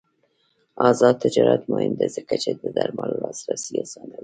آزاد تجارت مهم دی ځکه چې د درملو لاسرسی اسانوي.